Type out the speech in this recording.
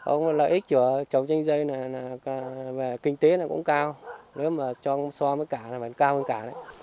ông lợi ích của trồng chanh dây về kinh tế cũng cao nếu mà cho so với cả là cao hơn cả